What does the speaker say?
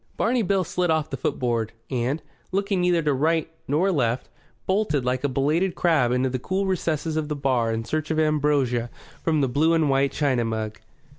Barney Bill slid off the footboard, and, looking neither to right nor left, bolted like a belated crab into the cool recesses of the bar in search of ambrosia from the blue and white china mug.